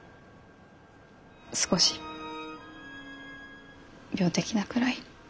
少し病的なくらい。